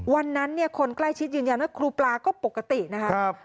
วันนั้นเนี่ยคนใกล้ชิดยืนยันว่าครูปลาก็ปกตินะครับ